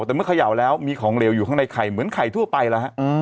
แต่เมื่อเขย่าแล้วมีของเหลวอยู่ข้างในไข่เหมือนไข่ทั่วไปแล้วฮะ